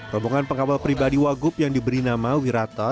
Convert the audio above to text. rombongan pengawal pribadi wagub yang diberi nama wirata